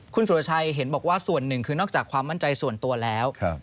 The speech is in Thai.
คุณสุรชัยเห็นบอกว่าส่วนหนึ่งคือนอกจากความมั่นใจส่วนตัวแล้ว